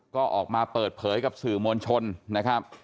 ก็ออกมาเปิดเผยกับสื่อมวลชนนะครับ